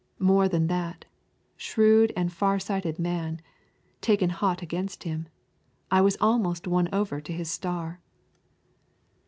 More than that, shrewd and far sighted man, taken hot against him, I was almost won over to his star.